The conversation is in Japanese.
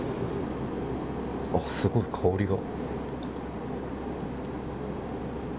あ、すごい香りが。